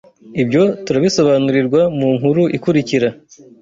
Ibyo turabisobanurirwa mu nkuru ikurikira